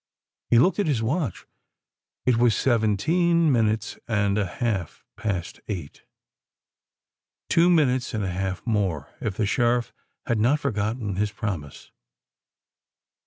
He looked at his watch: it was seventeen minutes and a half past eight. Two minutes and a half more—if the Sheriff had not forgotten his promise!